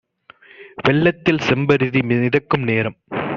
வெள்ளத்தில் செம்பருதி மிதக்கும் நேரம்!